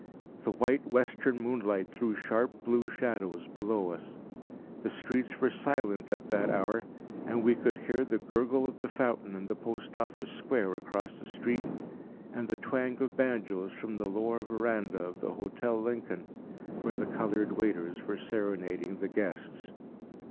The white, western moonlight threw sharp, blue shadows below us. The streets were silent at that hour, and we could hear the gurgle of the fountain in the Post Office square across the street, and the twang of banjos from the lower verandah of the Hotel Lincoln, where the colored waiters were serenading the guests.